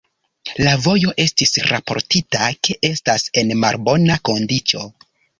La vojo estis raportita ke estas en malbona kondiĉo.